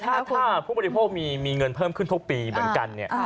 ถ้าผู้บริโภคมีเงินเพิ่มขึ้นทุกปีเหมือนกันเนี่ย